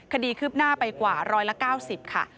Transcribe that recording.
คดีคืบหน้าไปกว่าร้อยละ๙๐ค่ะ